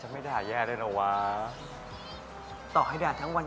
โหตายแล้วตายแล้ว